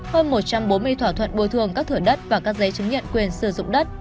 hơn một trăm bốn mươi thỏa thuận bồi thường các thửa đất và các giấy chứng nhận quyền sử dụng đất